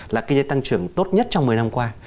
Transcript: là kinh tế tăng trưởng tốt nhất trong một mươi năm qua